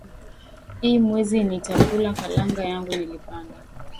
Iyi mwezi nita kula kalanga yangu nilipanda